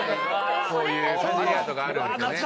こういうかじり跡があるんですね。